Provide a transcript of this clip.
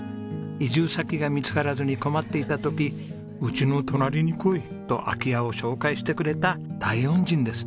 移住先が見つからずに困っていた時「うちの隣に来い」と空き家を紹介してくれた大恩人です。